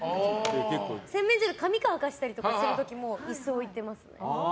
洗面所で髪乾かしたりする時も椅子置いてますね。